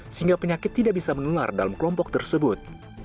sehingga penyakit tidak bisa menular dalam kelompok tersebut